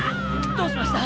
どうしました！？